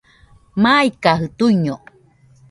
Maikajɨ tuiño